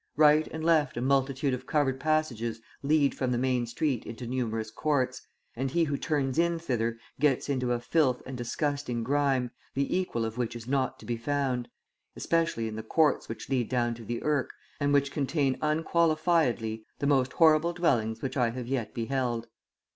Right and left a multitude of covered passages lead from the main street into numerous courts, and he who turns in thither gets into a filth and disgusting grime, the equal of which is not to be found especially in the courts which lead down to the Irk, and which contain unqualifiedly the most horrible dwellings which I have yet beheld.